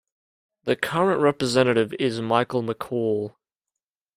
The current representative is Michael McCaul.